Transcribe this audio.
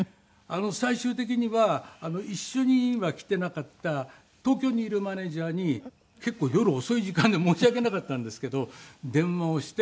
最終的には一緒には来ていなかった東京にいるマネジャーに結構夜遅い時間で申し訳なかったんですけど電話をして。